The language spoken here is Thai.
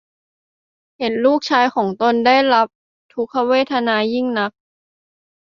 เห็นลูกชายของตนได้รับทุกขเวทนายิ่งนัก